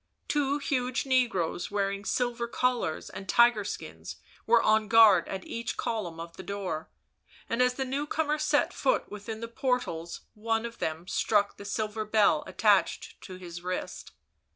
Two huge negroes, wearing silver collars and tiger skins, were on guard at each column of the door, and as the new comer set foot within the portals one of them struck the silver bell attached to his wrist.